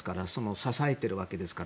支えているわけですから。